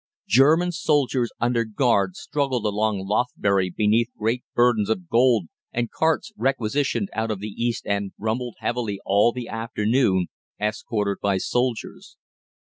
German soldiers under guard struggled along Lothbury beneath great burdens of gold, and carts, requisitioned out of the East End, rumbled heavily all the afternoon, escorted by soldiers.